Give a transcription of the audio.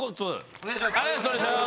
お願いします。